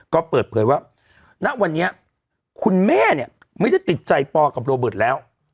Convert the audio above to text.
ก็เปิดเผยว่าณวันนี้คุณแม่เนี่ยไม่ได้ติดใจปอกับโรเบิร์ตแล้ว